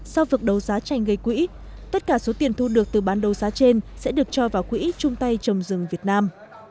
sau vực đấu giá tranh gây quỹ tất cả số tiền thu được từ bán đấu giá trên sẽ được cho vào quỹ trung tay trồng rừng việt nam